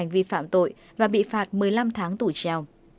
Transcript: vì phạm tội và bị phạt một mươi năm tháng tù trèo